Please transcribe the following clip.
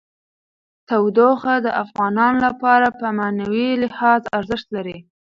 تودوخه د افغانانو لپاره په معنوي لحاظ ارزښت لري.